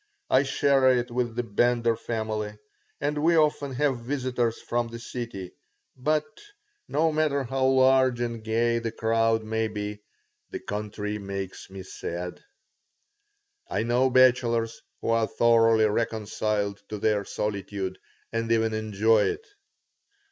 I share it with the Bender family and we often have visitors from the city, but, no matter how large and gay the crowd may be, the country makes me sad I know bachelors who are thoroughly reconciled to their solitude and even enjoy it.